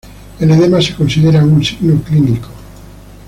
El edema se considera un signo clínico.